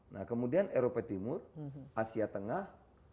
nah kemudian eropa timur asia tengah